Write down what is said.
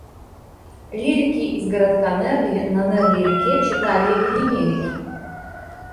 Лирики из городка Нерли на Нерли-реке читали лимерики.